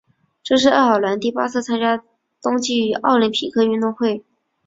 这是爱尔兰第八次参加冬季奥林匹克运动会。